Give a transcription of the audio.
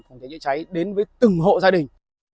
phòng cháy chữa cháy đến với từng hộ gia đình